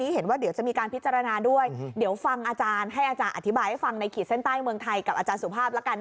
หาร้อยหรือหารห้าร้อยเนี่ยคุณ